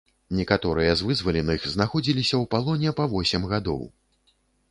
Некаторыя з вызваленых знаходзіліся ў палоне па восем гадоў.